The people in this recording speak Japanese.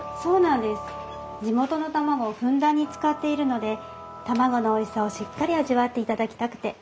地元の卵をふんだんに使っているので卵のおいしさをしっかり味わっていただきたくて。